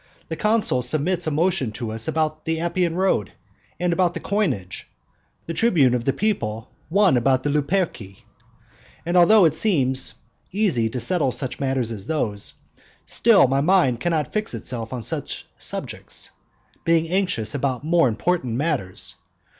The consul submits a motion to us about the Appian road, and about the coinage, the tribune of the people one about the Luperci. And although it seems easy to settle such matters as those, still my mind cannot fix itself on such subjects, being anxious about more important matters.